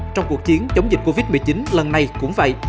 trong cuộc chiến chống dịch covid một mươi chín lần này cũng vậy